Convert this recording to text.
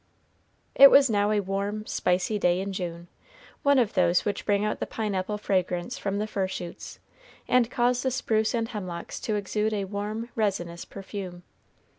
It was now a warm, spicy day in June, one of those which bring out the pineapple fragrance from the fir shoots, and cause the spruce and hemlocks to exude a warm, resinous perfume.